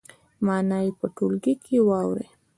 معنا دې په ټولګي کې واوروي.